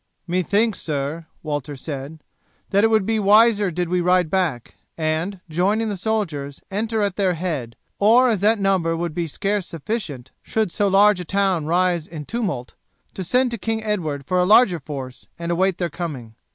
"Methinks, sir," Walter said, "that it would be wiser did we ride back, and, joining the soldiers, enter at their head, or as that number would be scarce sufficient should so large a town rise in tumult, to send to King Edward for a larger force and await their coming.